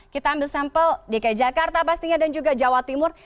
kita ambil sampel dki jakarta pastinya dan juga jawa timur